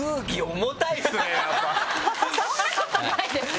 そんなことないですよ。